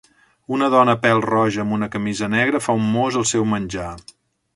Una dona pèl-roja amb una camisa negra fa un mos al seu menjar.